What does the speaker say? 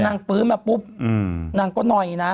นางปื้นมาปุ้บนางก็น่อยนะ